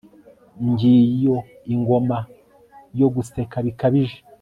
ngiyo ingoma yo guseka bikabije